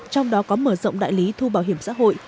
trong đó có mở rộng đại lý thu bảo hiểm xã hội